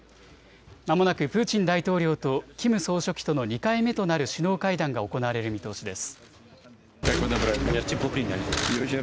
まもなくプーチン大統領とキム総書記との２回目となる首脳会談が行われる見通しです。